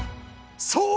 そう。